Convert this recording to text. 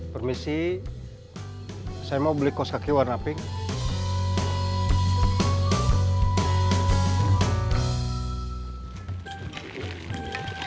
permisi saya mau beli kos kaki warna pink